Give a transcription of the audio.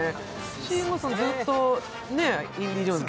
慎吾さん、ずっと「インディ・ジョーンズ」